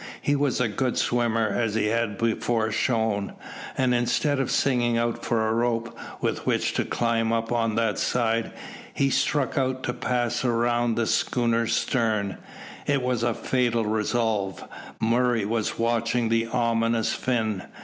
He was a good swimmer as he had before shown, and instead of singing out for a rope with which to climb up on that side, he struck out to pass round the schooner's stern. It was a fatal resolve. Murray was watching the ominous fin.